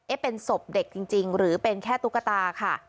เป็นศพเด็กจริงหรือเป็นแค่ตุ๊กตาค่ะ